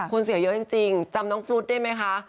เสียเยอะจริงจำน้องฟรุ๊ดได้ไหมคะ